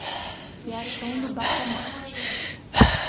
Riachão do Bacamarte